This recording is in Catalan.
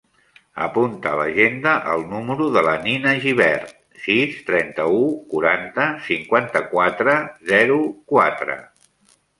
Apunta a l'agenda el número de la Nina Gibert: sis, trenta-u, quaranta, cinquanta-quatre, zero, quatre.